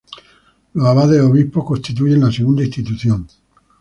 Los abades-obispos constituyen la segunda institución.